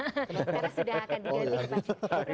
karena sudah akan diganti